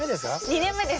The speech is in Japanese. ２年目です。